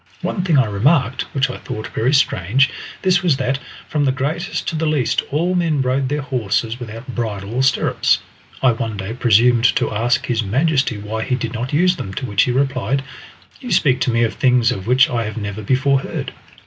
One thing I remarked which I thought very strange; this was that, from the greatest to the least, all men rode their horses without bridle or stirrups. I one day presumed to ask his majesty why he did not use them, to which he replied, "You speak to me of things of which I have never before heard!"